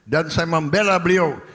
dan saya membela beliau